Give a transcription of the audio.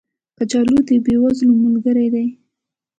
کچالو د بې وزلو ملګری دی